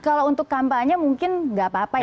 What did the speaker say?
kalau untuk kampanye mungkin nggak apa apa ya